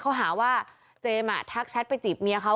เขาหาว่าเจมส์ทักแชทไปจีบเมียเขา